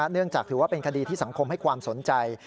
เนื่องจากถือว่าเป็นคดีที่สังคมให้ความสนใจ